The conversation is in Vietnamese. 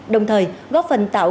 đồng thời góp phần tạo